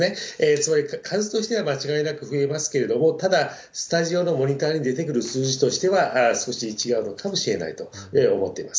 つまり、数としては間違いなく増えますけれども、ただ、スタジオのモニターに出てくる数字としては、少し違うのかもしれないと思ってます。